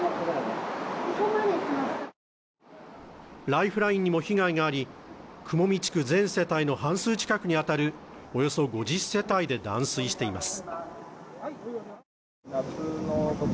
ライフラインにも被害があり雲見地区全世帯の半数近くに当たるおよそ５０世帯で断水しています。